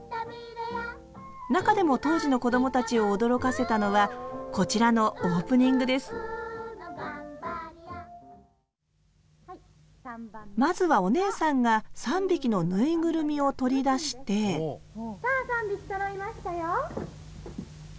中でも当時のこどもたちを驚かせたのはこちらのオープニングですまずはお姉さんが３匹のぬいぐるみを取り出してさあ３匹そろいましたよ。